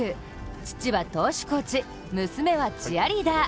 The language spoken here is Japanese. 父は投手コーチ、娘はチアリーダー。